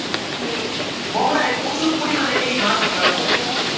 মোহনায় প্রচুর পরিমাণে এই মাছ ধরা পড়ে।